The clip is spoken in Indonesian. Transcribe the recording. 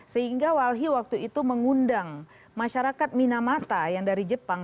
sehingga walhi waktu itu mengundang masyarakat minamata yang dari jepang